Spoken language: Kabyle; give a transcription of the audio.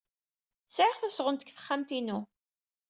Sɛiɣ tasɣunt deg texxamt-inu.